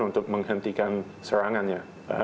untuk menghentikan serangannya